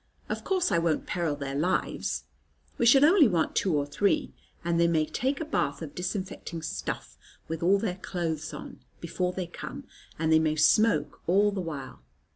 Of course I won't peril their lives. We shall only want two or three; and they may take a bath of disinfecting stuff, with all their clothes on, before they come; and they may smoke all the while."